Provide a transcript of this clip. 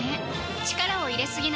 力を入れすぎない